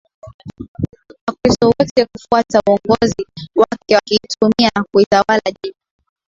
Wakristo wote kufuata uongozi wake wakiitumia na kuitawala dini